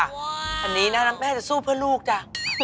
อันนี้นั้นน้ำแม่จะสู้เพื่อนลูกจ้ะ